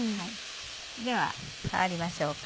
では代わりましょうか。